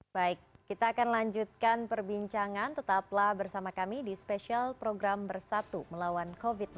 baik kita akan lanjutkan perbincangan tetaplah bersama kami di spesial program bersatu melawan covid sembilan belas